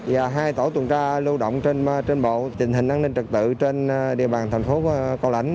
và hai tổ tuần tra lưu động trên bộ tình hình an ninh trật tự trên địa bàn thành phố cao lãnh